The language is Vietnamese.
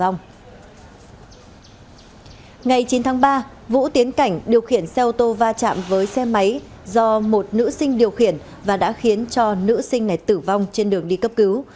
ngày chín tháng ba vũ tiến cảnh điều khiển xe ô tô va chạm với xe máy do một nữ sinh điều khiển và đã khiến cho nữ sinh này tử vong trên đường đi cấp cứu